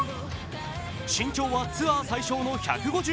身長はツアー最小の１５８ｃｍ。